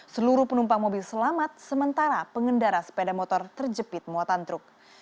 seluruh penumpang mobil selamat sementara pengendara sepeda motor terjepit muatan truk